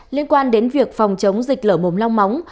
liên quan đến việc phòng chống dịch lở mồm long móng